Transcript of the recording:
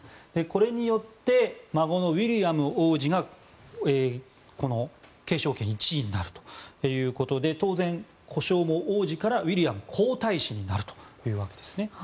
これによって孫のウィリアム王子が継承権１位になるということで当然、呼称も王子からウィリアム皇太子になるということです。